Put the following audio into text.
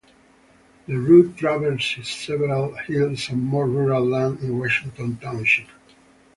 The route traverses several hills and more rural land in Washington Township.